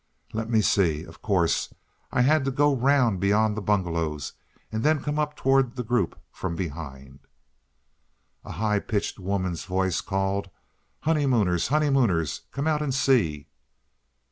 Let me see! Of course, I had to go round beyond the bungalows, and then come up towards the group from behind. A high pitched woman's voice called, "Honeymooners! honeymooners! Come out and see!"